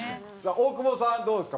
大久保さんどうですか？